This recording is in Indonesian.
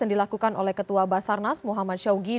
yang dilakukan oleh ketua basarnas muhammad syawgi